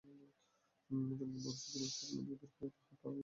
রঙিন ভবিষ্যৎ জীবন-স্বপ্নে বিভোর হইয়া তাহার বাকি পথটুকু কাটিয়া যায়।